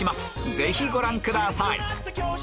ぜひご覧ください！